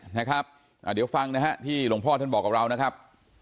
นะครับเดี๋ยวฟังนะฮะที่หลวงพ่อท่านบอกกับเรานะครับ